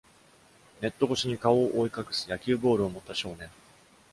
ネット越しに顔を覆い隠す野球ボールを持った少年。